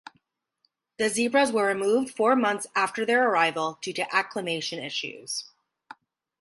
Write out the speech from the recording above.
The zebras were removed four months after their arrival due to "acclimation" issues.